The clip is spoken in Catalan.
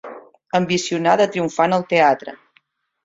Ambicionar de triomfar en el teatre.